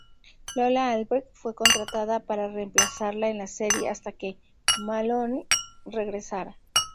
Lola Albright fue contratada para reemplazarla en la serie hasta que Malone regresara.